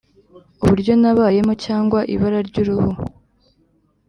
uburyo nabayemo cyangwa ibara ryuruhu